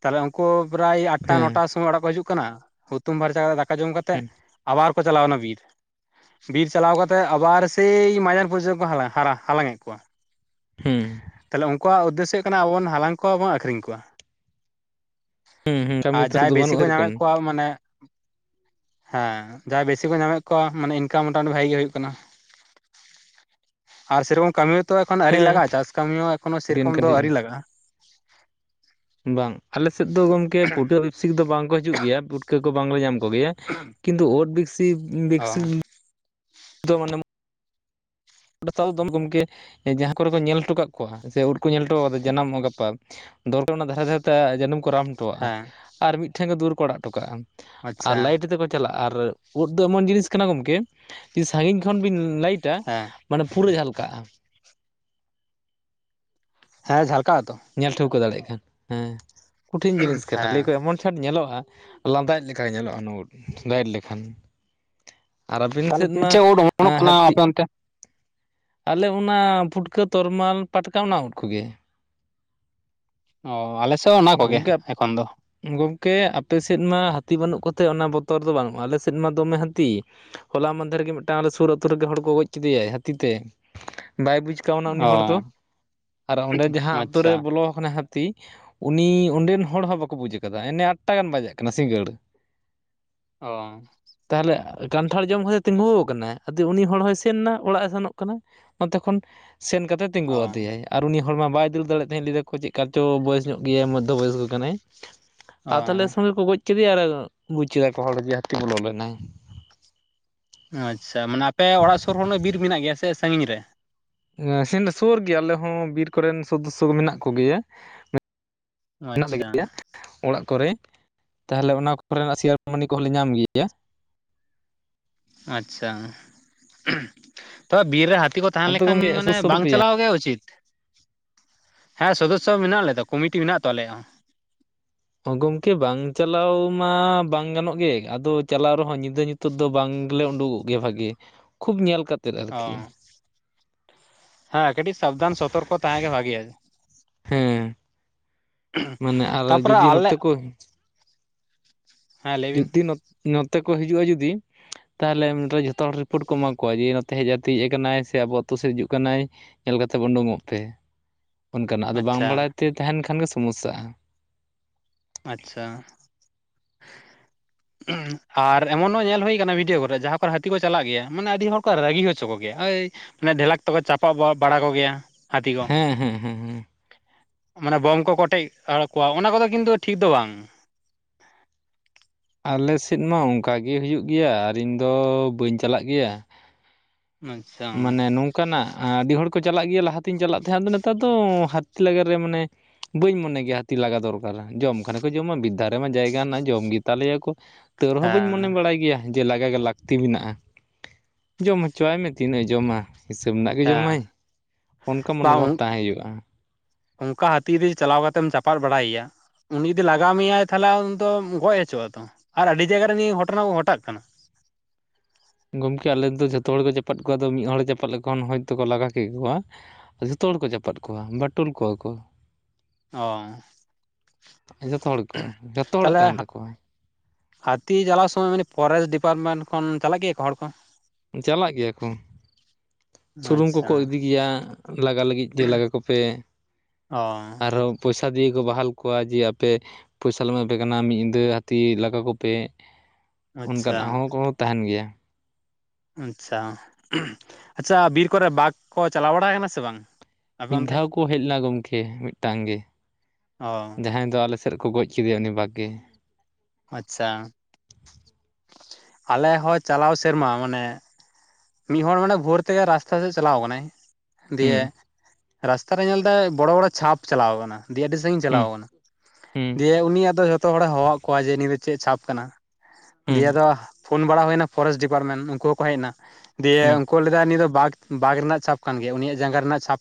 ᱛᱟᱦᱞᱮ ᱠᱚ ᱯᱨᱟᱭ ᱟᱴ ᱴᱟ ᱦᱮᱸ ᱱᱚᱴᱟ ᱥᱚᱢᱚᱭ ᱚᱲᱟᱜ ᱠᱚ ᱦᱤᱡᱩᱜ ᱠᱟᱱᱟ ᱦᱩᱛᱩᱢ ᱯᱷᱟᱨᱪᱟ ᱠᱟᱛᱮᱫ ᱫᱟᱠᱟ ᱫᱟᱠᱟ ᱡᱚᱢ ᱠᱟᱛᱮᱫ ᱦᱮᱸ ᱟᱵᱟᱨ ᱠᱚ ᱪᱟᱞᱟᱣ ᱮᱱᱟ ᱵᱤᱨ ᱵᱤᱨ ᱪᱟᱞᱟᱣ ᱠᱟᱛᱮᱫ ᱟᱵᱟᱨ ᱥᱮᱭ ᱢᱟᱸᱡᱟᱱ ᱯᱚᱨᱡᱚᱱ ᱠᱚ ᱦᱟᱞᱟᱝ ᱮᱫ ᱠᱚᱣᱟ ᱦᱮᱸ ᱛᱟᱦᱞᱮ ᱩᱱᱠᱩᱣᱟᱜ ᱩᱫᱽᱫᱮᱥᱚ ᱦᱩᱭᱩᱜ ᱠᱟᱱᱟ ᱟᱵᱚ ᱵᱚᱱ ᱦᱟᱞᱟᱝ ᱠᱚᱣᱟᱵᱚᱱ ᱟᱠᱷᱨᱤᱧ ᱠᱚᱣᱟ ᱦᱮᱸ ᱦᱮᱸ ᱟᱨ ᱠᱟᱹᱢᱤ ᱛᱚ ᱡᱟᱦᱟᱸᱭ ᱫᱚ ᱵᱮᱥᱤ ᱵᱟᱹᱱᱩᱜᱼᱟ ᱠᱚ ᱧᱟᱢᱮᱫ ᱥᱮᱨᱚᱠᱚᱢ ᱠᱚᱣᱟ ᱢᱟᱱᱮ ᱦᱮᱸ ᱡᱟᱦᱟᱸᱭ ᱵᱮᱥᱤ ᱠᱚ ᱧᱟᱢᱮᱫ ᱠᱚᱣᱟ ᱢᱟᱱᱮ ᱤᱱᱠᱟᱹᱢ ᱢᱚᱴᱟᱢᱩᱴᱤ ᱵᱷᱟᱜᱤ ᱜᱮ ᱦᱩᱭᱩᱜ ᱠᱟᱱᱟ ᱟᱨ ᱥᱮᱨᱚᱠᱚᱢ ᱠᱟᱹᱢᱤ ᱦᱚᱸ ᱛᱚ ᱮᱠᱷᱚᱱ ᱟᱹᱶᱨᱤ ᱦᱮᱸ ᱞᱟᱜᱟᱜ-ᱟ ᱪᱟᱥ ᱠᱟᱹᱢᱤ ᱦᱚᱸ ᱮᱠᱷᱚᱱᱳ ᱥᱮᱨᱚᱠᱚᱢ ᱫᱚ ᱟᱹᱣᱨᱤ ᱞᱟᱜᱟᱜ-ᱟ ᱵᱟᱝ ᱟᱞᱮᱥᱮᱫ ᱫᱚ ᱜᱚᱝᱠᱮ ᱯᱩᱴᱟᱹ ᱵᱮᱯᱥᱤᱠ ᱫᱚ ᱵᱟᱝ ᱠᱚ ᱦᱤᱡᱩᱜ ᱜᱮᱭᱟ ᱯᱩᱴᱠᱟᱹ ᱠᱚ ᱵᱟᱝᱞᱮ ᱧᱟᱢ ᱠᱚᱜᱮᱭᱟ ᱠᱤᱱᱛᱩ ᱳᱫ ᱵᱮᱵᱥᱤᱠ ᱵᱮᱵᱥᱤᱠ ᱚ ᱫᱚ ᱢᱟᱱᱮ ᱚ ᱥᱟᱶ ᱫᱚᱢ ᱜᱚᱢᱠᱮ ᱡᱟᱦᱟᱸ ᱠᱚᱨᱮ ᱠᱚ ᱧᱮᱞ ᱦᱚᱴᱚ ᱠᱟᱜ ᱠᱚᱣᱟ ᱥᱮ ᱩᱫ ᱠᱚ ᱧᱮᱞ ᱦᱚᱴᱚ ᱠᱟᱫᱟ ᱡᱟᱱᱟᱢᱚᱜ ᱜᱟᱯᱟ ᱫᱚᱨᱠᱟᱨ ᱚᱱᱟ ᱫᱷᱟᱨᱮ ᱫᱷᱟᱨᱮ ᱛᱮ ᱡᱟᱹᱱᱩᱢ ᱠᱚ ᱨᱟᱢ ᱦᱚᱴᱚᱣᱟᱜ-ᱟ ᱦᱮᱸ ᱟᱨ ᱢᱤᱫᱴᱷᱮᱱ ᱜᱮ ᱫᱩᱭᱟᱹᱨ ᱠᱚ ᱟᱲᱟᱜ ᱦᱚᱴᱚ ᱠᱟᱜ-ᱟ ᱟᱨ ᱟᱪᱪᱷᱟ ᱞᱟᱭᱤᱴ ᱛᱮᱠᱚ ᱪᱟᱞᱟᱜᱼᱟ ᱟᱨ ᱩᱫ ᱫᱚ ᱮᱢᱚᱱ ᱡᱤᱱᱤᱥ ᱠᱟᱱᱟ ᱜᱚᱢᱠᱮ ᱥᱟᱺᱜᱤᱧ ᱠᱷᱚᱱ ᱵᱤᱱ ᱞᱟᱹᱭᱤᱴᱟ ᱦᱮᱸ ᱢᱟᱱᱮ ᱯᱩᱨᱟᱹ ᱡᱷᱟᱞᱠᱟᱜᱼᱟ ᱦᱮᱸ ᱡᱷᱟᱞᱠᱟᱣᱛᱚ ᱧᱮᱞ ᱴᱷᱟᱹᱣᱠᱟᱹ ᱫᱟᱲᱮᱭᱟᱜ ᱠᱟᱱ ᱦᱮᱸ ᱠᱚᱴᱷᱤᱱ ᱡᱤᱱᱤᱥ ᱠᱟᱱᱟ ᱦᱮᱸ ᱞᱟᱹᱭ ᱠᱚ ᱮᱢᱚᱱ ᱪᱷᱟᱴ ᱧᱮᱞᱚᱜᱼᱟ ᱞᱟᱸᱫᱟᱭ ᱞᱮᱠᱟ ᱧᱮᱞᱚᱜᱼᱟ ᱱᱚᱼᱟ ᱩᱫ ᱞᱟᱹᱤᱴ ᱞᱮᱠᱷᱟᱱ ᱟᱨ ᱟᱹᱵᱤᱱ ᱛᱟᱦᱚᱞᱮ ᱥᱮᱫ ᱪᱮᱫ ᱢᱟ ᱪᱮᱫ ᱩᱫ ᱚᱢᱚᱱᱚᱜ ᱠᱟᱱᱟ ᱦᱟᱹᱛᱤ ᱟᱯᱮ ᱚᱱᱛᱮ? ᱟᱞᱮ ᱚᱱᱟ ᱯᱷᱩᱴᱠᱟᱹ ᱛᱚᱨᱢᱟᱞ ᱯᱟᱴᱠᱟ ᱚᱱᱟ ᱩᱫ ᱠᱚᱜᱮ ᱚᱻ ᱟᱞᱮ ᱥᱮᱫ ᱦᱚᱸ ᱚᱱᱟ ᱠᱚᱜᱮ ᱜᱚᱢᱠᱮ ᱮᱠᱷᱚᱱ ᱫᱚ ᱜᱚᱝᱠᱮ ᱟᱯᱮ ᱥᱮᱫ ᱢᱟ ᱦᱟᱹᱛᱤ ᱵᱟᱹᱱᱩᱜ ᱠᱚᱛᱮ ᱚᱱᱟ ᱵᱚᱛᱚᱨ ᱫᱚ ᱵᱟᱹᱱᱩᱜᱼᱟ ᱟᱞᱮ ᱥᱮᱫ ᱢᱟ ᱫᱚᱢᱮ ᱦᱟᱹᱛᱤ ᱦᱚᱞᱟ ᱢᱟᱦᱫᱷᱮᱨ ᱨᱮᱜᱮ ᱢᱤᱫᱴᱟᱝ ᱟᱞᱮ ᱥᱩᱨ ᱟᱹᱛᱩ ᱨᱮᱜᱮ ᱦᱚᱲ ᱠᱚ ᱜᱚᱡ ᱠᱮᱫᱮᱭᱟ ᱦᱟᱹᱛᱤᱛᱮ ᱵᱟᱭ ᱵᱩᱡᱽ ᱠᱮᱫ ᱪᱠᱟᱣᱱᱟ ᱩᱱᱤ ᱚ ᱦᱚᱲ ᱫᱚ ᱟᱨ ᱚᱸᱰᱮ ᱡᱟᱦᱟᱸ ᱟᱛᱳ ᱟᱪᱪᱷᱟ ᱨᱮ ᱵᱚᱞᱚ ᱟᱠᱟᱱᱟᱭ ᱦᱟᱹᱛᱤ ᱩᱱᱤ ᱚᱸᱰᱮᱱ ᱦᱚᱲ ᱦᱚᱸ ᱵᱟᱠᱚ ᱵᱩᱡ ᱠᱟᱫᱟ ᱮᱱᱮ ᱟᱴ ᱴᱟ ᱜᱟᱱ ᱵᱟᱡᱟᱣ ᱠᱟᱱᱟ ᱥᱤᱸᱜᱟᱹᱲ ᱚ ᱛᱟᱦᱚᱞᱮ ᱠᱟᱱᱴᱷᱟᱲ ᱡᱚᱢ ᱠᱟᱛᱮ ᱛᱤᱸᱜᱩᱣ ᱟᱠᱟᱱᱟᱭᱼᱟ ᱩᱱᱤ ᱦᱚᱲ ᱦᱚᱭ ᱥᱮᱱ ᱮᱱᱟ ᱚᱲᱟᱜ ᱮ ᱥᱮᱱᱚᱜ ᱠᱟᱱᱟᱭ ᱱᱚᱛᱮ ᱠᱷᱚᱱ ᱥᱮᱱ ᱠᱟᱛᱮᱜ ᱛᱤᱸᱜᱩ ᱚ ᱟᱫᱮᱭᱟ ᱟᱨ ᱩᱱᱤ ᱦᱚᱲ ᱢᱟ ᱵᱟᱭ ᱫᱟᱹᱲ ᱛᱟᱦᱮᱸᱫ ᱞᱟᱹᱭ ᱫᱟᱠᱚ ᱪᱮᱫ ᱪᱚ ᱵᱚᱭᱮᱥ ᱧᱚᱜ ᱜᱮᱭᱟ ᱢᱚᱫᱽᱫᱚ ᱵᱚᱭᱮᱥ ᱠᱚ ᱠᱟᱱᱟᱭ ᱚ ᱟᱨ ᱛᱟᱦᱚᱞᱮ ᱥᱚᱸᱜᱮ ᱠᱚ ᱜᱚᱡ ᱠᱮᱫᱮᱭᱟ ᱟᱨ ᱵᱩᱡᱽ ᱠᱮᱫᱟ ᱠᱚ ᱦᱚᱲ ᱡᱮ ᱦᱟᱹᱛᱤ ᱵᱚᱞᱚ ᱞᱮᱱᱟᱭ ᱟᱪᱷᱟ ᱢᱟᱱᱮ ᱟᱯᱮ ᱚᱲᱟᱜ ᱥᱩᱨ ᱨᱮ ᱵᱤᱨ ᱢᱮᱱᱟᱜ ᱜᱮᱭᱟ ᱥᱮ ᱥᱟᱺᱜᱤᱧ ᱨᱮ ᱥᱮᱱ ᱥᱩᱨ ᱜᱮᱭᱟ ᱟᱞᱮ ᱦᱚᱸ ᱵᱤᱨ ᱠᱚᱨᱮᱱ ᱥᱚᱫᱚ ᱥᱚ ᱢᱮᱱᱟᱜ ᱠᱚ ᱜᱮᱭᱟ ᱢᱮᱱᱟᱜ ᱞᱮ ᱟᱪᱪᱷᱟ ᱜᱮᱭᱟ ᱚᱲᱟᱜ ᱠᱚᱨᱮ ᱛᱟᱦᱚᱞᱮ ᱚᱱᱟ ᱠᱚᱨᱮᱱᱟᱜ ᱥᱮᱭᱟᱨ ᱢᱟᱹᱱᱤ ᱠᱚᱦᱚᱸ ᱞᱮ ᱧᱟᱢ ᱜᱮᱭᱟ ᱟᱪ ᱪᱷᱟ ᱛᱚᱵᱮ ᱵᱤᱨ ᱨᱮ ᱦᱟᱹᱛᱤ ᱠᱚ ᱛᱟᱦᱮᱸ ᱟᱯᱮ ᱞᱮᱱ ᱠᱷᱟᱱ ᱜᱚᱢᱠᱮ ᱢᱟᱱᱮ ᱥᱩᱨ ᱵᱟᱹᱱᱩᱜ ᱵᱟᱝ ᱯᱮᱭᱟ ᱪᱟᱞᱟᱣ ᱜᱮ ᱩᱪᱤᱛ ᱦᱮᱸ ᱥᱚᱫᱚᱥ ᱥᱚ ᱢᱮᱱᱟᱜ ᱞᱮᱭᱟ ᱫᱚ ᱠᱚᱢᱤᱴᱤ ᱢᱮᱱᱟᱜ ᱛᱚ ᱟᱞᱮᱭᱟᱜ ᱦᱚᱸ ᱜᱚᱢᱠᱮ ᱵᱟᱝ ᱪᱟᱞᱟᱣ ᱢᱟ ᱵᱟᱝ ᱜᱟᱱᱚᱜ ᱜᱮ ᱟᱫᱚ ᱪᱟᱞᱟᱣ ᱨᱮᱦᱚᱸ ᱧᱤᱫ ᱧᱤᱫᱟᱹ ᱧᱩᱛᱟᱹᱛ ᱫᱚ ᱵᱟᱝᱞᱮ ᱩᱰᱩᱠᱚᱜ ᱜᱮᱭᱟ ᱵᱷᱟᱹᱜᱤ ᱠᱷᱩᱵ ᱧᱮᱞ ᱠᱟᱛᱮᱫ ᱚ ᱟᱨᱠᱤ ᱦᱮᱸ ᱠᱟᱹᱴᱤᱡ ᱥᱟᱵ ᱫᱷᱟᱱ ᱥᱚᱛᱚᱨᱠᱚ ᱛᱟᱦᱮᱸ ᱜᱮ ᱵᱷᱟᱹ ᱜᱤᱭᱟ ᱦᱮᱸ ᱢᱟᱱᱮ ᱟᱨ ᱛᱟᱯᱚᱨᱮ ᱡᱩᱫᱤ ᱟᱞᱮ ᱱᱚᱛᱮ ᱠᱚ ᱦᱮᱸ ᱞᱟᱹᱭ ᱵᱤᱱ ᱡᱩᱫᱤ ᱱᱚᱛᱮ ᱠᱚ ᱦᱤᱡᱩᱜᱼᱟ ᱡᱩᱫᱤ ᱛᱟᱦᱚᱞᱮ ᱱᱚᱰᱮ ᱡᱷᱚᱛᱚ ᱦᱚᱲ ᱨᱤᱯᱚᱴ ᱠᱚ ᱮᱢᱟ ᱠᱚᱣᱟ ᱡᱮ ᱱᱚᱛᱮ ᱦᱮᱡᱛᱮ ᱦᱮᱡ ᱠᱟᱱᱟᱭ ᱥᱮ ᱟᱵᱚ ᱟᱹᱛᱩ ᱥᱮᱫ ᱦᱤᱡᱩᱜ ᱠᱟᱱᱟᱭ ᱧᱮᱞ ᱠᱟᱛᱮᱫ ᱩᱰᱩᱝᱚᱜ ᱯᱮ ᱚᱱᱠᱟᱱᱟᱜ ᱟᱫᱚ ᱵᱟᱝ ᱟᱪᱪᱷᱟ ᱵᱟᱰᱟᱭ ᱛᱮ ᱛᱟᱦᱮᱱ ᱠᱷᱟᱱ ᱜᱮ ᱥᱚᱢᱚᱥ ᱥᱟᱜᱼᱟ ᱟᱪ ᱪᱷᱟ ᱟᱨ ᱮᱢᱚᱱ ᱦᱚᱸ ᱧᱮᱞ ᱦᱩᱭ ᱠᱟᱱᱟ ᱵᱷᱤᱰᱭᱚ ᱠᱚᱨᱮ ᱡᱟᱦᱟᱸ ᱠᱚᱨᱮ ᱦᱟᱹᱛᱤ ᱠᱚ ᱪᱟᱞᱟᱜ ᱜᱮᱭᱟ ᱢᱟᱱᱮ ᱟᱹᱰᱤ ᱦᱚᱲ ᱠᱚ ᱨᱟᱹᱜᱤ ᱦᱚᱪᱚ ᱠᱚ ᱜᱮᱭᱟ ᱚᱭ ᱢᱟᱱᱮ ᱰᱷᱮᱞᱟᱠ ᱛᱮᱠᱚ ᱪᱟᱯᱟᱣᱜ ᱵᱟᱲᱟ ᱠᱚ ᱜᱮᱭᱟ ᱦᱟᱹᱛᱤ ᱠᱚ ᱦᱮᱸ ᱦᱮᱸ ᱦᱮᱸ ᱦᱮᱸ ᱢᱟᱱᱮ ᱵᱳᱢ ᱠᱚ ᱠᱚ ᱚᱴᱮᱡ ᱟᱠᱚᱣᱟ ᱚᱱᱟ ᱠᱚᱫᱚ ᱠᱤᱱᱛᱩ ᱴᱷᱤᱠ ᱫᱚ ᱵᱟᱝ ᱟᱞᱮᱥᱮᱫ ᱢᱟ ᱚᱱᱠᱟ ᱜᱮ ᱦᱩᱭᱩᱜ ᱜᱮᱭᱟ ᱟᱨ ᱤᱧ ᱫᱚ ᱵᱟᱹᱧ ᱪᱟᱞᱟᱜ ᱜᱮᱭᱟ ᱟᱪᱪᱷᱟ ᱢᱟᱱᱮ ᱱᱚᱝᱠᱟᱱᱟᱜ ᱟᱹᱰᱤ ᱦᱚᱲ ᱠᱚ ᱪᱟᱞᱟᱜ ᱜᱮᱭᱟ ᱞᱟᱦᱟᱛᱤᱧ ᱪᱟᱞᱟᱜ ᱛᱟᱦᱮᱸᱜ ᱟᱫᱚ ᱱᱮᱛᱟᱨ ᱫᱚ ᱦᱟᱹᱛᱤ ᱞᱟᱜᱟ ᱨᱮ ᱢᱟᱱᱮ ᱵᱟᱹᱧ ᱢᱚᱱᱮ ᱜᱮᱭᱟ ᱦᱟᱹᱛᱤ ᱞᱟᱜᱟ ᱫᱚᱨᱠᱟᱨᱟ ᱡᱚᱢ ᱠᱷᱟᱱᱮ ᱠᱚ ᱡᱚᱢᱟ ᱵᱤᱨ ᱫᱷᱟ ᱨᱮᱢᱟ ᱡᱟᱭᱜᱟ ᱦᱮᱱᱟᱜ ᱡᱚᱢ ᱜᱮ ᱛᱟᱞᱮ ᱫᱟᱨᱮ ᱭᱟᱠᱚ ᱛᱟᱹᱨ ᱦᱚᱸ ᱵᱟᱹᱧ ᱦᱮᱸ ᱢᱚᱱᱮ ᱵᱟᱲᱟᱭ ᱜᱮᱭᱟ ᱡᱮ ᱞᱟᱜᱟ ᱜᱮ ᱞᱟᱹᱠᱛᱤ ᱢᱮᱱᱟᱜᱼᱟ ᱡᱚᱢ ᱦᱚᱪᱚ ᱟᱭ ᱢᱮ ᱛᱤᱱᱟᱹᱜᱼ ᱡᱚᱢᱟ ᱦᱤᱥᱟᱹᱵ ᱨᱮᱱᱟᱜ ᱜᱮ ᱡᱚᱢᱟᱭ ᱦᱮᱸ ᱚᱱᱠᱟ ᱵᱟᱝ ᱢᱚᱱᱳᱵᱷᱟᱵᱽ ᱛᱟᱦᱮᱸ ᱦᱩᱭᱩᱜᱼᱟ ᱚᱱᱠᱟ ᱦᱟᱹᱛᱤ ᱨᱮ ᱪᱟᱞᱟᱣ ᱠᱟᱛᱮᱢ ᱪᱟᱯᱟᱫ ᱵᱟᱲᱟ ᱭᱮᱭᱟ ᱩᱱᱤ ᱡᱩᱫᱤ ᱞᱟᱜᱟ ᱢᱮᱭᱟᱭ ᱛᱟᱦᱚᱞᱮ ᱩᱱᱤ ᱫᱚ ᱜᱚᱡ ᱦᱚᱪᱚᱜᱼᱟ ᱛᱚ ᱟᱨ ᱟᱹᱰᱤ ᱡᱟᱭᱜᱟ ᱨᱮ ᱱᱤᱭᱟᱹ ᱜᱷᱚᱴᱚᱱᱟ ᱠᱚ ᱜᱷᱚᱴᱟᱣᱜ ᱠᱟᱱᱟ ᱜᱚᱢᱠᱮ ᱟᱞᱮᱫ ᱫᱚ ᱡᱷᱚᱛᱚ ᱦᱚᱲ ᱜᱮ ᱪᱟᱯᱟᱫ ᱠᱚᱣᱟ ᱟᱫᱚ ᱢᱤᱫ ᱦᱚᱲ ᱪᱟᱯᱟ ᱞᱮᱠᱷᱟᱱ ᱦᱚᱭᱛᱚᱠᱚ ᱠᱚ ᱞᱟᱜᱟ ᱠᱮᱜ ᱠᱚᱣᱟ ᱡᱚᱛᱚ ᱦᱚᱲ ᱠᱚ ᱪᱟᱯᱟᱫ ᱠᱚᱣᱟ ᱵᱟᱹᱴᱩᱞ ᱠᱚᱣᱟ ᱠᱚ ᱚ ᱡᱚᱛᱚ ᱦᱚᱲ ᱠᱚ ᱡᱚᱛᱚ ᱦᱚᱲᱟᱜ ᱛᱟᱦᱚᱞᱮ ᱛᱟᱦᱮᱱ ᱛᱟᱠᱚᱣᱟ ᱦᱟᱹᱛᱤ ᱪᱟᱞᱟᱣ ᱥᱚᱢᱚᱭ ᱢᱟᱱᱮ ᱯᱷᱚᱨᱮᱥᱴ ᱰᱤᱯᱟᱴᱢᱮᱱᱴ ᱠᱷᱚᱱ ᱪᱟᱞᱟᱜ ᱜᱮᱭᱟ ᱠᱚ ᱦᱚᱲ ᱠᱚ ᱪᱟᱞᱟᱜ ᱜᱮᱭᱟ ᱠᱚ ᱥᱩᱱᱩᱢ ᱟᱪᱪᱷᱟ ᱠᱚᱠᱚ ᱤᱫᱤ ᱜᱮᱭᱟ ᱞᱟᱜᱟ ᱞᱟᱹᱜᱤᱫ ᱡᱮ ᱞᱟᱜᱟ ᱠᱚᱯᱮ ᱚ ᱟᱨᱦᱚᱸ ᱯᱚᱭᱥᱟ ᱫᱤᱭᱮ ᱠᱚ ᱵᱟᱦᱟᱞ ᱠᱚᱣᱟ ᱡᱮ ᱟᱯᱮ ᱯᱚᱭᱥᱟᱞᱮ ᱮᱢᱟ ᱯᱮ ᱠᱟᱱᱟ ᱢᱤᱫ ᱧᱤᱫᱟᱹ ᱦᱟᱹᱛᱤ ᱞᱟᱜᱟ ᱠᱚᱯᱮ ᱟᱪᱪᱷᱟ ᱚᱱᱠᱟᱱᱟᱜ ᱦᱚᱸ ᱠᱚ ᱦᱚᱸ ᱛᱟᱦᱮᱱ ᱜᱮᱭᱟ ᱟᱪ ᱪᱷᱟ ᱟᱪ ᱪᱷᱟ ᱵᱤᱨ ᱠᱚᱨᱮ ᱵᱟᱜ ᱠᱚ ᱪᱟᱞᱟᱣ ᱵᱟᱲᱟ ᱠᱟᱱᱟ ᱥᱮ ᱵᱟᱝ ᱟᱯᱮ ᱢᱤᱫ ᱚᱱᱛᱮ ᱫᱷᱟᱣ ᱠᱚ ᱦᱮᱡ ᱞᱮᱱᱟ ᱜᱚᱢᱠᱮ ᱢᱤᱫᱴᱟᱝ ᱜᱮ ᱚ ᱡᱟᱦᱟᱸᱭ ᱫᱚ ᱟᱞᱮ ᱥᱮᱫ ᱨᱮᱠᱚ ᱜᱚᱡ ᱠᱮᱫᱮᱭᱟ ᱩᱱᱤ ᱵᱟᱜ ᱜᱮ ᱟᱪ ᱪᱷᱟ ᱟᱞᱮ ᱦᱚᱸ ᱪᱟᱞᱟᱣ ᱥᱮᱨᱢᱟ ᱢᱟᱱᱮ ᱢᱤᱫ ᱦᱚᱲ ᱢᱟᱱᱮ ᱵᱷᱳᱨ ᱛᱮᱜᱮ ᱨᱟᱥᱛᱟ ᱥᱮᱫ ᱪᱟᱞᱟᱣ ᱟᱠᱟᱱᱟᱭ ᱫᱤᱭᱮ ᱦᱩᱸ ᱨᱟᱥᱛᱟᱨᱮ ᱧᱮᱞ ᱫᱟᱭ ᱵᱚᱲᱚ ᱵᱚᱲᱚ ᱪᱷᱟᱯ ᱪᱟᱞᱟᱣ ᱠᱟᱱᱟ ᱫᱤᱭᱮ ᱟᱹᱰᱤ ᱥᱟᱹᱜᱤᱧ ᱦᱩᱸ ᱪᱟᱞᱟᱣ ᱠᱟᱱᱟ ᱦᱩᱸ ᱫᱤᱭᱮ ᱩᱱᱤ ᱟᱫᱚ ᱡᱷᱚᱛᱚ ᱦᱚᱲᱮ ᱦᱚᱦᱚᱣᱟᱜ ᱠᱚᱣᱟ ᱡᱮ ᱱᱤᱭᱟᱹ ᱫᱚ ᱪᱮᱫ ᱪᱷᱟᱯ ᱠᱟᱱᱟ ᱦᱩᱸ ᱫᱤᱭᱮ ᱟᱫᱚ ᱯᱷᱚᱱ ᱵᱟᱲᱟ ᱦᱩᱭ ᱮᱱᱟ ᱯᱷᱚᱨᱮᱥᱴ ᱰᱤᱯᱟᱴᱢᱮᱱᱴ ᱩᱱᱠᱩ ᱦᱚᱸᱠᱚ ᱦᱮᱡ ᱮᱱᱟ ᱫᱤᱭᱮ ᱦᱩᱸ ᱩᱱᱠᱩ ᱞᱟᱹᱭ ᱮᱫᱟ ᱱᱤᱭᱟᱹ ᱫᱟ ᱵᱟᱜᱽ ᱨᱮᱱᱟᱜ ᱪᱷᱟᱯ ᱠᱟᱱ ᱜᱮᱭᱟ ᱩᱱᱤᱭᱟᱜ ᱡᱟᱸᱜᱟ ᱨᱮᱱᱟᱜ ᱪᱟᱯ